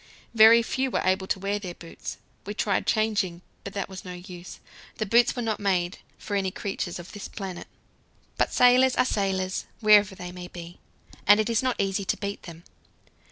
Very few were able to wear their boots. We tried changing, but that was no use; the boots were not made for any creatures of this planet. But sailors are sailors wherever they may be; it is not easy to beat them.